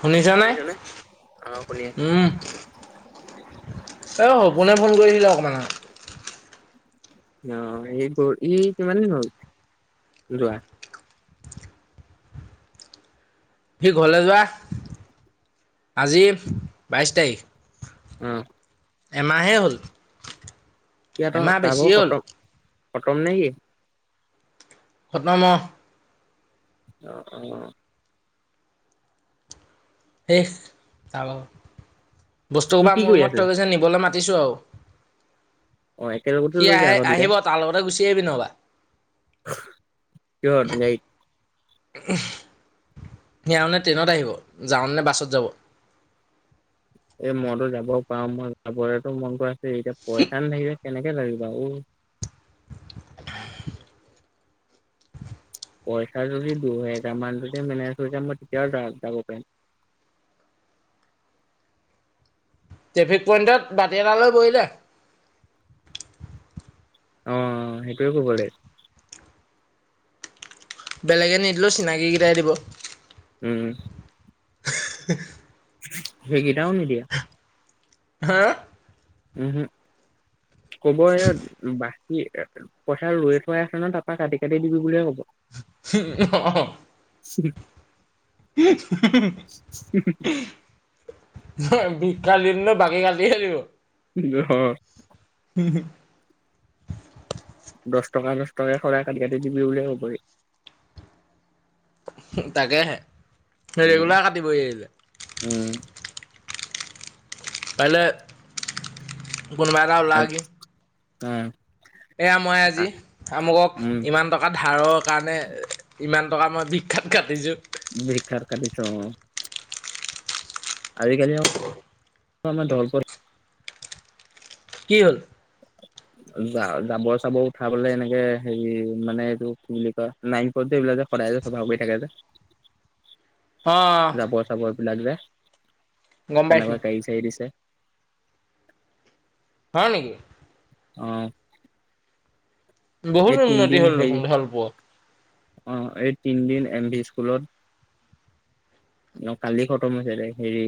শুনিছানে? শুনিছনে? অ' শুনি আছোঁ। উম, এ সপোনে ফোন কৰিছিলে অকণমান আ অ', এই গ, ই কিমান দিন হল যোৱা? সি ঘৰলে যোৱা, আজি, বাইছ তাৰিখ। উহ। এমাহে হ'ল। সি আকৌ এমাহ তাৰ ভাগৰ বেছিয়ে হ'ল। খতম খতম নে কি? খতম অ'। অ', অ', অ'। শেষ তাৰ ভাগৰ। সি বস্তুসোপা কি মোৰ কৰি ৰুমত থৈ আছিলে? গৈছে, নিবলে মাত [unintelligible] আৰু। অ' একেলগতে সি লৈ যায় আহে, আকৌ দুইটাই। আহিব তাৰ লগতে গুচি [unintelligible] বি নহবা। কিহত, গাৰিত? সেওঁ নে ট্ৰেইনত আহিব যাওঁ নে বাছত যাব। এই মইটো যাব পাৰোঁ মই যাবৰেতো মনটো এতিয়া পইচা নেথাকে। কেনেকে লাগিবা উ পইচা যদি দুহেজাৰ মান যদি মেনেজ হৈ যাম মই তেতিয়াও যাব পাৰিম ট্ৰেফিক পইণ্টত বাটি এটালৈ বহলো অ সেইটোৱয়ে কব লাগ বেলেগে নিদিলেঁ চিনাকীেইটাই দিব উম হ হেগটন দিয়া হা উমহু ক'ব এ বা কি পইচা ৰৈ থৈ আছে ন তাৰাপৰা কাটি কাটি দিবি বুলিয়ে কব উ [inaudible] [inaudible] বি কালিন ন বাকী কাটি খেলিব জহ উম দহ টকা দহ টককা খৰাই কাটি কাটি দিবি বিয় হবহি তাকে হে ৰেগুলাৰ কাটিবহি আহিলে উম পালে গুনমৰাও লাগে উম এয়া মই আজি আমুকক উম ইমান টকা ধাৰৰ কাৰণে ইমান টকা মই বিখ্যাত কাটিছোঁ বি্ষাৰ কাটিছ আজিকালি আমাৰ দল কি হ'ল জাবৰ চাবৰ উঠা পেললে এনেকে হেৰি মানে এইটো কি বুলি কয় নাইন এইবিলাক যে সদায় যে চফা কৰি থাকে যে অ যাব চাব লাগিব গম পাইছো তেনেকুৱা কাই চাই দিছে হয় নেকি? অঁ। বহুত উন্নতি হ'ল দেখোন ভাল পোৱা? অ' এই তিনদিন এম ভি স্কুলত, ন কালি খতম হৈছিলে হেৰি,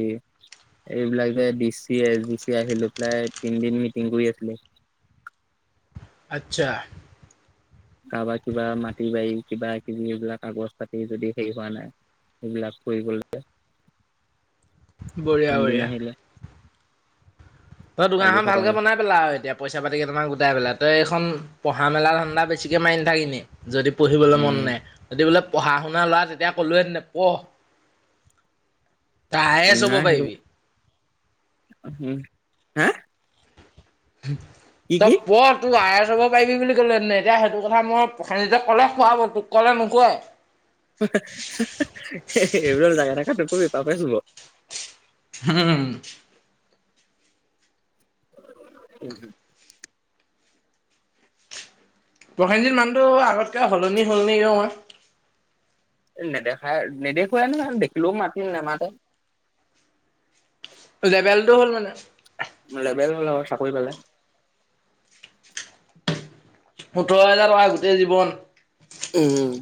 এইবিলাক যে D C, S D C আহিলৈ পেলাই তিনদিন মিটিং কৰি আছিলে। আচ্ছা। কাৰোবাৰ কিবা মাটি-বাৰী কিবা-কিবি সেইবিলাক কাগজ-পাতি যদি হেই হোৱা নাই সেইবিলাক কৰিবলে বঢ়িয়া বঢ়িয়া। তই কালি দোকাখন খতম ভালকে হৈ বনাই পেলা আউ এতিয়া, পইচা পাতি কেইটামান গোটাই পেলাই, তই এইখন পঢ়া মেলা ধাণ্ডা বেছিকে মাৰি নাথাক এনে। যদি পঢ়িবলৈ মন নাই। উম যদি বোলে পঢ়া শুনা ল'ৰা তেতিয়া কলোৱে [unintelligible] পহ। তই আই এ এছ হ'ব নাই সেইটো পাইবি। উম হা? কি ত কি পঢ় তোক আই এ হ'ব পাৰিবি বুলি কলোঁহেঁতেন, এতিয়া সেইটো কথা মই প্ৰসেনজিতক কলে শুৱাব, তোক কলে নুশুৱাই। এইবিলাক যা তা কথা নকবি পাপে চুব। হম। [unintelligible] প্ৰসেনজিত মানুহটো আগতকে সলনি হ'ল নিকি অকমাণ? এ নেদেখাই আৰু, নেদেখুৱেই নহয় দেখিলেও মাতি নেমাতে। লেবেলটো হ'ল মানে। বেল হ'ল আউ চাকই পালে। সোতৰ হেজাৰ টকা গোটেই জীৱন উম- উম।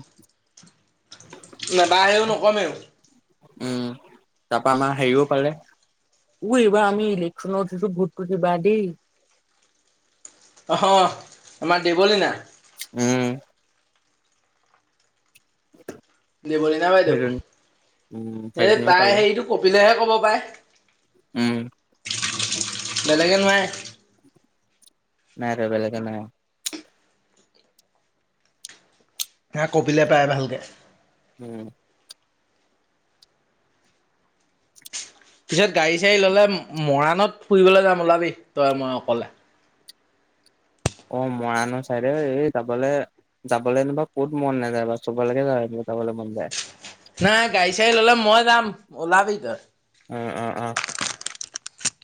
[inaudible] নাবাহেও নকমেও। উম, তাৰপা আমাৰ হেৰিও পালে, অ' এইবাৰ আমি ইলেকচনত উঠিছো ভোটতটো দিবা দেই। অহ, আমাৰ দেৱলীনা? উম। দেৱলিনা বাইদেউ, সেইজনী উম এই সেইজনীও তাই পালে হেইটো কপিলেহে কব পাই। উম বেলেগে নোৱাৰে। নাই আৰু বেলেগে নোৱাৰে। হা কপিলে পাৰে ভালকে। উম। পিছত গাড়ী চাড়ী ল'লে মৰাণত ফুৰিবলৈ যাম ওলাবি, তই মই অকলে। অ' মৰাণৰ চাইদে, এই যাবলে যাবলে নু বাউ ক'ত মন নাযায় বাউ চবলেকে যা যাবলৈ মন যায়। নাই গাড়ী চাড়ী ল'লে মই যাম। ওলাবি তই। উম, অ', অ'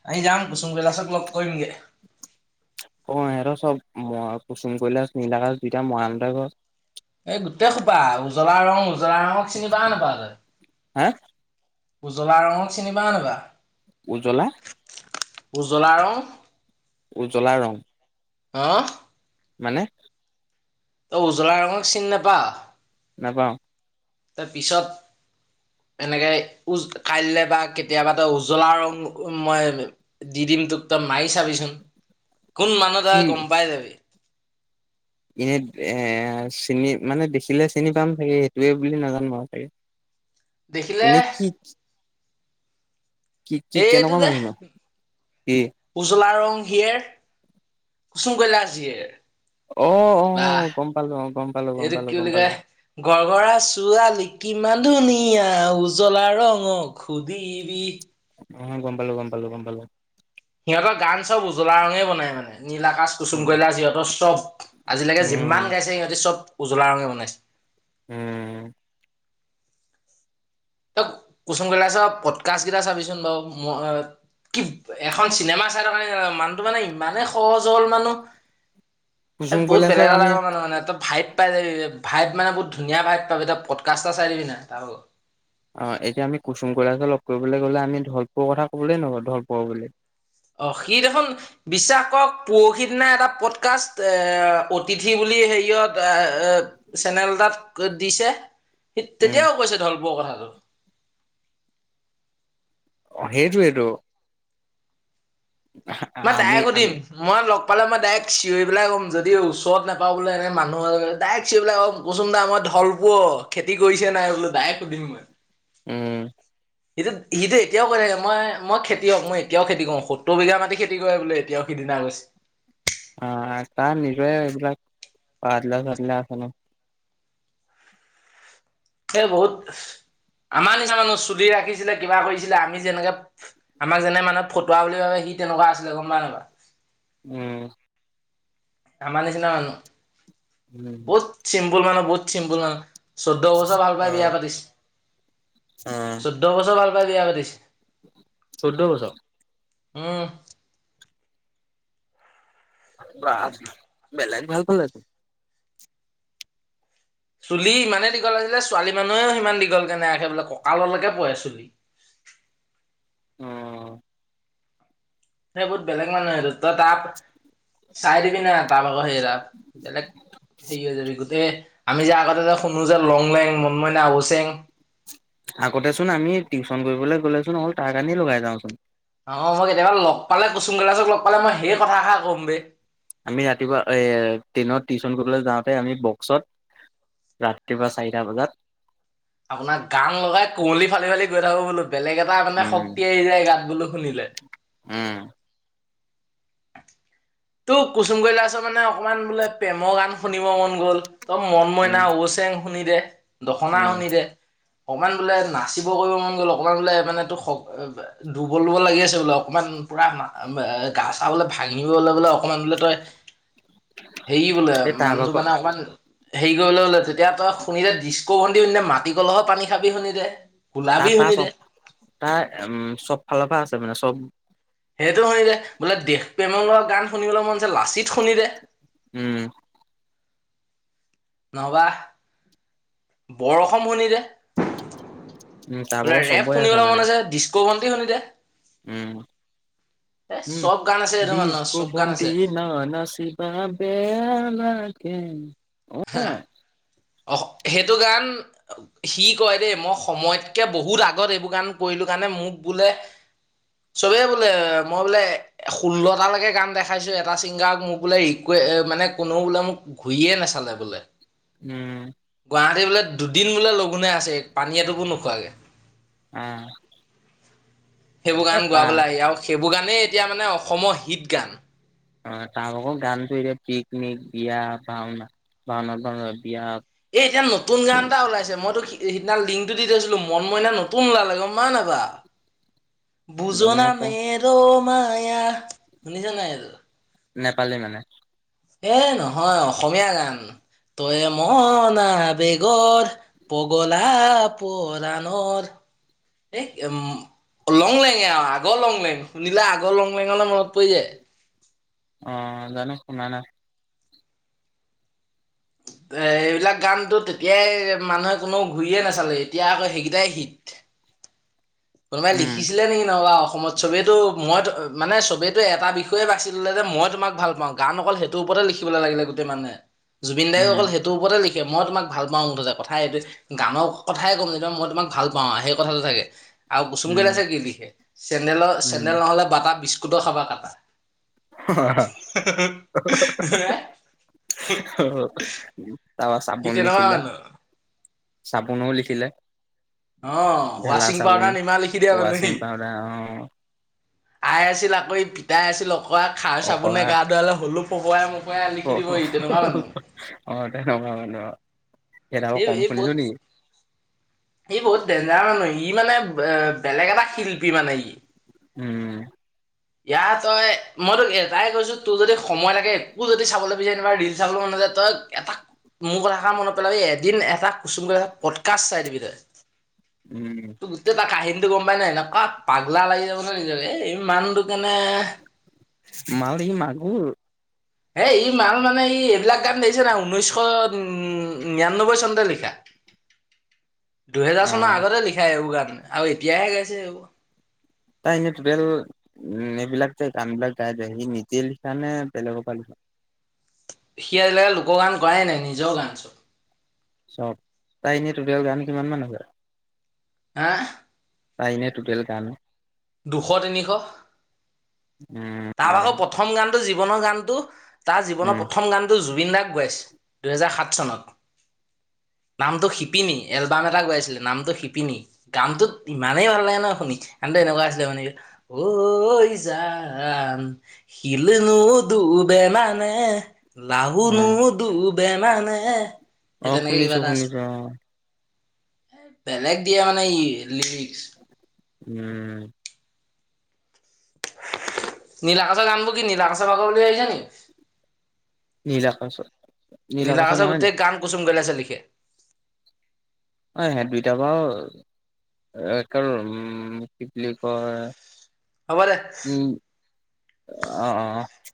আমি যাম, কুসুম কৈলাশক লগ কৰিমগে। অ' এহেত চব ম-কুচুম কৈলাচ নীল আকাচ দুইটা মৱান তাইপ এই গোটেই খোপা উজলা ৰং, উজলা ৰঙক চিনি পাৱ নাপাৱ তই? হা উজলা ৰঙক চিনি পাৱ নাপা? উজলা? উজলা ৰং। উজলা ৰং। আহ। মানে? তই উজ্বলা ৰঙক চিন নাপাৱ? নাপাওঁ। তই পিছত এনেকে উজ, কাইলৈ বা কেতিয়াবা তই উজলা ৰং মই দি দিম তোক তই মাই চাবিচোন। কোন মানুহ তই গম পাই যাবি। এনেই এ চিনি মানে দেখিলে চিনি পাম চাগে এটোৱে বুলি নাজানো মই চাগে দেখিলে এনেই কি কি কি এইটো কেনেকুৱা যে মানুহ নো কি উজলা ৰং। কাম হিয়েৰ, কুসুম কৈলাচ হিয়েৰ। অ অ বাহ গম পালো অ গম পালো গম এইটো পালো কি গম বুলি পালো কয় গৰগৰা ছোৱালি কিমান ধুনীয়া উজলা ৰঙক সুধিবি। উম, গম পালো, গম পালো, গম পালো। সিহতক' গান চব উজ লা ৰঙে বনাই মানে নীল আকাচ, কুচুম উম কৈলাচ ইহঁত চব, আজিলেকে উম যিমান গাইছে সিহঁতি চব। উজলা ৰঙে বনাইছে। উম, তই কুচুম কৈলাচ' পডকাষ্ট গিতা চাবিচোন বাও ম-কি এখন চিনেমা চাই থকা নিচিনা, মানুহটো মানে ইমানেই সহজ সৱল মানুহ। এ কুচুম বহুত বেলেগ কৈলাশৰ এটা আমি টাইপ মানুহ মানে তা ভাইপ পাই যাবি, ভাইপ মানে বহুত ধুনীয়া ভাইপ পাবি তই, পদকাষ্টটা চাই দিবি না তাৰ ভাগৰ। অ' এতিয়া আমি কুচুম কৈলাচ লগ কইবলে গ'লে আমি ধলপুৱ কথা কবলে নোৱ ধলপুৱ বুলি। অ' সি দেখোন বিশ্বাস কৰক পৰখি দিনা এটা পডকাষ্ট এ অতিথি বুলি হেইয়ত এ চেনেলতাত দিছে। সি উম তেতিয়াও কৈছে ধলপুৱ কথা। অ' অ সেইটোৱেত। মই আমি ডাইয়েক সুধিম আমি মই লগ পালে মই ডাইয়েক চিঞই পেলাই ক'ম যদি ওচত নাপাও বোলে এনে মানুহ মাজত ডাইয়েক চিঞই পেলাই কম কুচুন দা মই ধলপুৱ, খেতি কৰিছে নাই বোলো ডায়েক সুধিম মই। উম। এটোত হিটো এতিয়াও কৈ থাকে মই, মই খেতিয়ক মই এতিয়াও খেতি কও। সত্তৰ বিঘা মাটি খেতি কৰে বোলে এতিয়াও সিদিনা কৈছ অ তা নিজয়ে এইবিলাক পাদলা চাদলা আছে ন। হে বহুত আমা নিচিনা মানুহ চুুলি ৰাখিছিলে কিবা কইছিলে আমি যেনেকে, আমাক যেনে মানুহে ফটুৱা বুলি ভাবে সি তেনেকুৱা আছিলে গম পাও নাপাওঁ? উম। আমা নিচিনা মানুহ। উম বহুত চিম পুল মানুহ বহুত চিম্পুল মানুহ। চৈধ্য বছৰ ভাল পাই অ বিয়া পাতিছে। অ চৈধ্য বছৰ ভাল পায় বিয়া পাতিছ চৈধ্য বছ। অ বেলেগ ভাল পালে চুলি ইমানেই দীঘল আছিলে ছোৱালী মানুহেও সিমান দীঘল কে নাইখে বোলে কঁকাললৈকে পৰে চুলি। অ। সেই বহুত বেলেগ মানুহে আৰু তাক চাই দিবি না। ত আকৌ সেইৰা বেলেগ হেৰি হৈ যাবি গোটেই আমি যে আগতে যে শুনো যে লং লেং মন মইনা আচেং আগতে চোন আমি টিউশচন কৰিবলৈ গ'লেচোন অল তাৰ কাৰণি লগাই যাওচোন। অ মই কেতিয়াবা লগ পালে কুসুমকৈলাস লগ পালে মই সেই কথাষা কম বেই। আমি ৰাতিপুৱা ট্ৰেইনত টিউশন কৰিবলৈ যাওঁতে আমি বক্সত ৰাতিপুৱা চাৰিটা বজাত আপোনাৰ গান লগাই কুঁৱলী ফালি ফালি গৈ থাকো বোলো বেলেগ এটা মানে উম শক্তি আহ যায় গাত বোলো শুনিলে উম ত কুচুম কৰিলাচৰ মানে অকমান বোলে প্ৰেমৰ গান শুনিব মন গ'ল তম মন উম মইনা ওচেং শুনি দে হয় দখনা উম শুনিল অকমান বোলে নাচিব কৰিব মন গ'ল অকণমান বোলে মানেো দুৰ্বল দব লাগি আছে বোলে অকমান পুৰা গা চালে ভাঙিও অলপ বোলে অকমান বোলে তই হেৰি বোলে এই তাৰ মানুহটো ভাগৰ কাৰানে অকমান হেৰি কৰিবলৈ হলে তেতিয়া তই শুনি দে ডিস্কো বন্দি শুনি দে মাটি কলহৰ পানী খাবি শুনি দে তাৰ গোলাবি তাৰ শুনি দে চব তাৰ উম চব ফালৰ পৰা আছে মানে চব সেইটো শুনিলে বোলে দেশ প্ৰেমৰ লগোৱা গান শুনিবলৈ মন লাচিত শুনি দে উম নহবা বৰ অসম শুনি দে উম তাৰ বোলে ভাগৰ ৰেপ চবৰে শুনিবলৈ মানে মন আছে কি শুনি দে উম এ উম চব গান আছে এইটো দিজ মানুহৰ কো চব গান বন্তি আছে ন না শিবা বো কে হা অ সেইটো গান সি কয় দেই মই সময়তকে বহুত আগত এইবোৰ গান কৰিলো কাৰণে মোক বোলে চবেই বোলে মই বোলে ষোল্লটাালৈকে গান দেখাইছো এটা ছিংগাৰক মোক বোলে ৰিকে মানে কোনেও বোলে মোক ঘূৰিয়ে নাচালে বোলে উম পাতি বোলে দুদিন বোলে লঘোণে আছে পানী এটোকো নোখোৱাকৈ আহ সেইবোৰ গান গোৱাবলৈ আহি আৰু সেইবোৰ গানেই এতিয়া মানে অসম হিট গান অ তাৰ আকৌ গানতো এতিয়া পিকনিক বিয়া ভাওনা ভাওনা ভাও বিয়াাত [unintelligible] [unintelligible] নতুন গান এটা ওলাইছে মইতোক সেইদিনা লিংকটো দি থৈছিলো, মন মইনা নতুন ওলালে গম পাও নাপাও। জানো বুজনা মই ক মেৰ' মায়া, শুনিছ নাই এটো। নেপালী মানে। এ নহয় অসমীয়া গান তই মনা বেগৰ পগলা পৰাণৰ, এই লং লঙে আৰু আগৰ লং লেং শুনিলে আগৰ লং লেঙলৈ মনত পৰি যায়। অঁ জানো, শুনা নাই। এ এইবিলাক গানটো তেতিয়াই মানুহে কোনো ঘূৰিয়ে নাচালে এতিয়া আকৌ সেইকেইটাই হিট। কোনোবাই উম লিখিছিলে নেকি নহ'বা অসমত চবেইটো মইত মানে চবেইেটো এটা বিষয়ে বাচি ললে যে মই তোমাক ভাল পাওঁ, গান অকল সেইটোৰ ওপৰতে লিখিবলৈ লাগিলে গোটেই মানে। জুবিন দাইও উম অকল সেইটো ওপতে লি মই তোমাক ভাল পাও মুঠতে কথাই এইটোৱে গানৰ কথাই ক'ম যেনিবা মই তোমাক ভাল পাওঁ সেই কথাটো চাগে। আৰু কুচুম উম কৈলাচে কি লিখে, চেন্দেলৰ উম চেন্দেল নহ'লে বাটা বিছ কুতৰ খাবা কাটা। [unintelligible] টাপা সি চাবুন তেনেকুৱা লিখিলে। মানুহ চাবোনৰ লিখিলে। অঁ ভেলা ৱাচিং চাবোন পাউদাৰ নিমাহ লিখি দিয়া মানুহ ৱাশ্বিং সি, পাউদাৰ অ আই আছিল আকৌ পি তাই আছিল কৰা খাৰ চাবোনে গা ধুৱালে হ'লোঁ [unintelligible] অঁ, তেনেকুৱা মানুহ অ, এটো আকৌ এই কম এই শুনিলো বহুত নেকি। ই বহুত ডেঞ্জাৰ মানুহ ই মানে এ বেলেগ এটা শিল্পী মানে ই। উম। ইয়াৰ তই মই তোক এটাই কৈছো তোৰ যদি সময় লাগে একো যদি চাবলৈ বিচাৰি নাপাওঁ, ৰিল চাবলৈ মন নযায় তই এটা মোৰ কথাসাৰ মনত পেলাবি এদিন এটা কুচুম কৈলাসৰ এটা পদকাষ্ট চাই দিবি তই। উম টোৰ গোটেই তাৰ কাহিনীটো গম পোৱাই নাই ন অঁ পাগলা লাগি যাব ন নিজকে, এই মানুহটো কেনে মাল সি মাগুৰ। এ ই মাৰ মানে ই এইবিলাক গান দেখিছে নাই উনৈশ উ নিৰান্নব্বৈ চনতে লিখা। দুহেজাৰ অ চনৰ আগতে লিখা এইবোৰ গান। আৰু এতিয়াহে গাইছে সেইবোৰ। তাই এনেই টোটেল এইবিলাক যে গান বিলাক গাই যায় যে, সি নিজে লিখা নে বেলেগৰ পৰা লিখা। সি আজিলে লোকৰ গান গোৱাই নাই, নিজৰ গান চব। চব তাৰ এনে টুতেল গান কিমান মান আছে। হা। চাইনে টুটেল গানে দুশ তিনিশ তাৰ উম আকৌ প্ৰথম গান জীৱনৰ গানটো তাৰ জীৱনৰ উম প্ৰম গানটো জ গোবিন্দাক গাইছে দুহেজাৰ সাত চনত নামটো শিপিনী এলবাম এটা গাইছিলে নামটো শিপিনী গানটোত ইমানেই ভাল লাগে নহয় শুনি আন এনেকুৱা মানেক ঐ যান শিলনো দুবে মানে অ লাহুনো দুব বে মানে সেই অ', তেনেকে কিবা শুনিছো এটা শুনিছো আছিলে অ'। বেলেগ দিয়া মানে ই লিৰিক্স। উম। নীলা কচ গানবোৰ কি নীলা কচৰ ভাগৰ বুলি ভাবিছা নি? নীল আকাশৰ নীল আকাশৰ নহয় নে? গোটেই গান কুচুম কৈলাশে লিখে অ' সেহত দুইটা বা উম কি বুলি কয় হ'ব দে। উম অ', অ '।